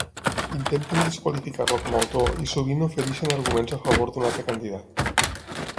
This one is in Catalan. Intenten desqualificar-lo com a autor i sovint ofereixen arguments a favor d'un altre candidat.